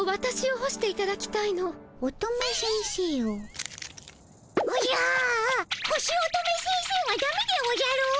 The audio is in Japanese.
干し乙女先生はダメでおじゃる。